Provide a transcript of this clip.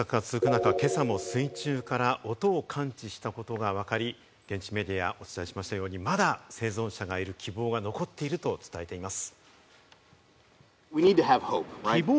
捜索が続く中、今朝も水中から音を感知したことがわかり、現地メディア、お伝えしましたようにまだ生存者がいる希望は残っていると伝えています。